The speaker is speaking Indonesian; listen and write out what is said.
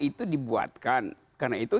itu dibuatkan karena itu